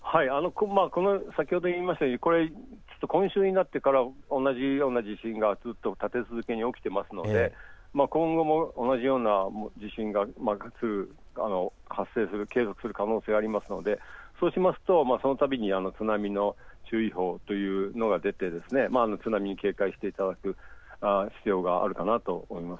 先ほど言いましたように今週になってから同じような地震がずっと立て続けに起きていますので今後も同じような地震が複数発生する、継続する可能性があるので、そうしますとそのたびに津波の注意報というのが出て津波に警戒していただく必要があるかと思います。